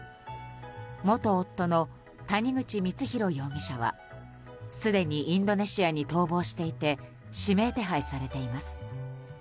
元夫の谷口光弘容疑者はすでにインドネシアに逃亡していて指名手配されています。